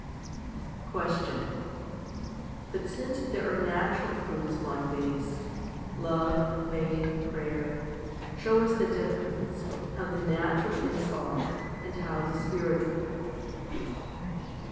21. Question. But since there are natural fruits like these, love, faith, prayer, show us the difference, how the natural things are, and how the spiritual.